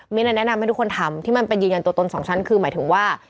มีอะไรแนะนำให้ทุกคนทำที่มันเป็นยืนยันตัวตนสองชั้นคือหมายถึงว่า